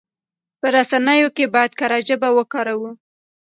په رسنيو کې بايد کره ژبه وکاروو.